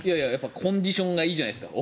コンディションがいいじゃないですか。